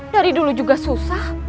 dari dulu juga susah